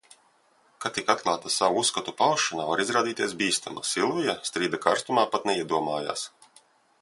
Ka tik atklāta savu uzskatu paušana var izrādīties bīstama, Silvija strīda karstumā pat neiedomājas.